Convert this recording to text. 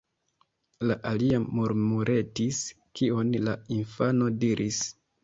la alia murmuretis, kion la infano diris.